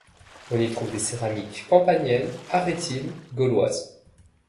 On y trouve des céramiques campaniennes, arrétines, gauloises...